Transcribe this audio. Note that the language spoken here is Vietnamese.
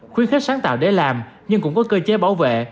khuyến khích sáng tạo để làm nhưng cũng có cơ chế bảo vệ